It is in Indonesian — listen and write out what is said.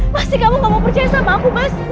pasti kamu gak mau percaya sama aku mas